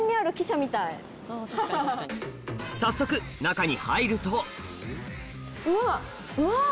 早速中に入るとうわうわっ！